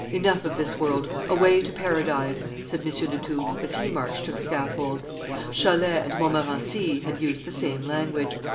"Enough of this world; away to Paradise!" said M. de Thou, as he marched to the scaffold. Chalais and Montmorency had used the same language.